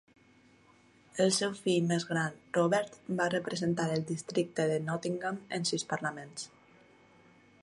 El seu fill més gran, Robert, va representar al districte de Nottingham en sis parlaments.